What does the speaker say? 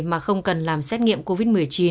mà không cần làm xét nghiệm covid một mươi chín